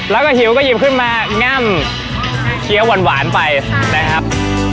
แล้วก็หิวก็หยิบขึ้นมาง่ำเคี้ยวหวานไปนะครับ